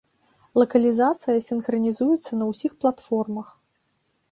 Лакалізацыя сінхранізуецца на ўсіх платформах.